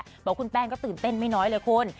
บอกคุณแป้งก็ตื่นเต้นไม่น้อยเลยคุณ